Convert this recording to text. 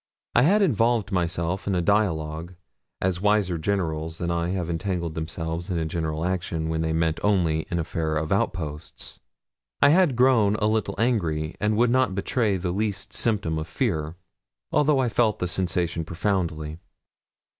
I had involved myself in a dialogue, as wiser generals than I have entangled themselves in a general action when they meant only an affair of outposts. I had grown a little angry, and would not betray the least symptom of fear, although I felt that sensation profoundly.